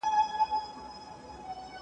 نن ورځ، علم د ابن خلدون نظریات کارول کیږي.